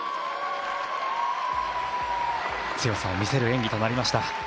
強さを見せる演技となりました。